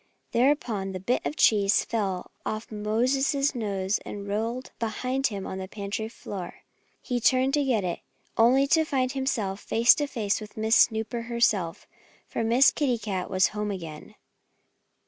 Thereupon the bit of cheese fell off Moses's nose and rolled behind him on the pantry floor. He turned to get it, only to find himself face to face with Miss Snooper herself; for Miss Kitty Cat was home again.